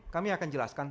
kami akan jelaskan